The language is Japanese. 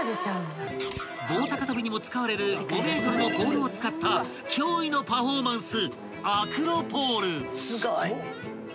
［棒高跳びにも使われる５ｍのポールを使った驚異のパフォーマンス］